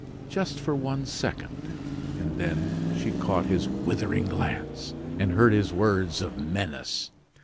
Just for one second; and then she caught his withering glance and heard his words of menace.